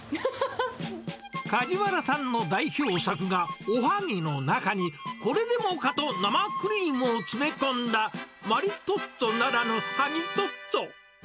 梶原さんの代表作がおはぎの中に、これでもかと生クリームを詰め込んだ、マリトッツォならぬはぎトッツォ。